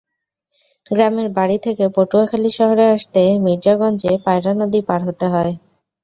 গ্রামের বাড়ি থেকে পটুয়াখালী শহরে আসতে মির্জাগঞ্জে পায়রা নদী পার হতে হয়।